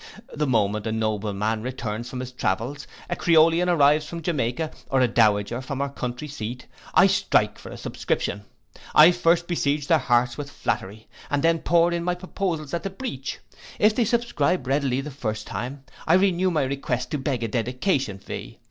The moment a nobleman returns from his travels, a Creolian arrives from Jamaica, or a dowager from her country seat, I strike for a subscription. I first besiege their hearts with flattery, and then pour in my proposals at the breach. If they subscribe readily the first time, I renew my request to beg a dedication fee.